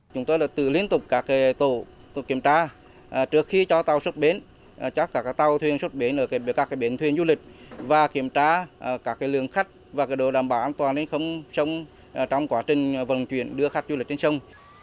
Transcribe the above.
chúng tôi là tự liên tục các tổ kiểm tra trước khi cho tàu xuất bến cho các tàu thuyền xuất bến ở các cái bến thuyền du lịch và kiểm tra các cái lượng khách và cái đồ đảm bảo an toàn đến không sông trong quá trình vận chuyển đưa khách du lịch trên sông